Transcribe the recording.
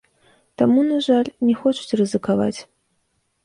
Таму, на жаль, не хочуць рызыкаваць.